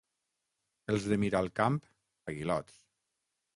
Els de Miralcamp, aguilots.